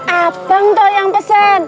adang toh yang pesen